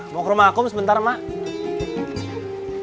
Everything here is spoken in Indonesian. mau ke rumah aku sebentar mak